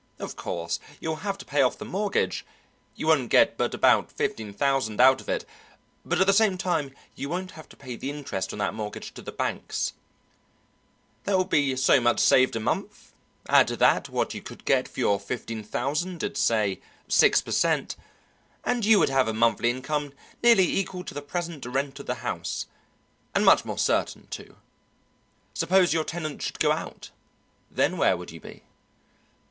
Of course, you will have to pay off the mortgage; you won't get but about fifteen thousand out of it, but at the same time you won't have to pay the interest on that mortgage to the banks; that will be so much saved a month; add that to what you could get for your fifteen thousand at, say, 6 per cent., and you would have a monthly income nearly equal to the present rent of the house, and much more certain, too. Suppose your tenant should go out, then where would you be?"